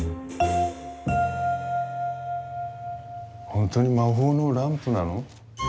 本当に魔法のランプなの？